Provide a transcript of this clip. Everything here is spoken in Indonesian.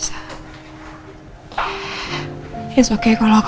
sampai jumpa di video selanjutnya